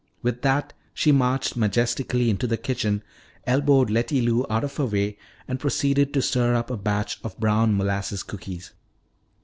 With that she marched majestically into the kitchen, elbowed Letty Lou out of her way, and proceeded to stir up a batch of brown molasses cookies.